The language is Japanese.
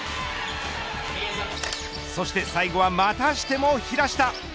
そして最後はまたしても平下。